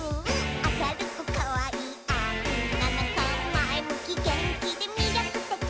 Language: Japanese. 「あかるくかわいいおんなのこ」「まえむきげんきでみりょくてき！」